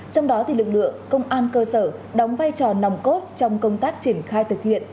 trong đó lực lượng công an cơ sở đóng vai trò nòng cốt trong công tác triển khai thực hiện